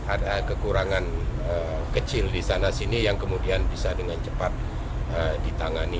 ada kekurangan kecil di sana sini yang kemudian bisa dengan cepat ditangani